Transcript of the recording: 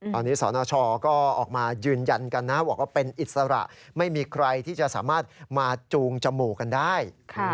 ตอนนี้สนชก็ออกมายืนยันกันนะบอกว่าเป็นอิสระไม่มีใครที่จะสามารถมาจูงจมูกกันได้